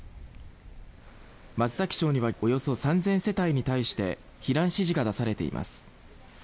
松崎町にはおよそ３０００世帯に対して避難指示が出されています。